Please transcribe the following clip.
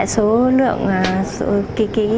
số lượng số ký ký